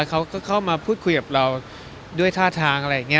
เขาก็เข้ามาพูดคุยกับเราด้วยท่าทางอะไรอย่างนี้